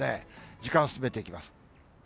時間進めていきます。